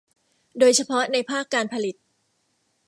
โดยเฉพาะในภาคการผลิต